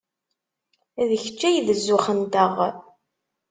D kečč ay d zzux-nteɣ.